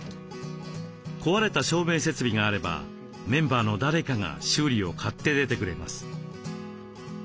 壊れた照明設備があればメンバーの誰かが修理を買って出てくれます。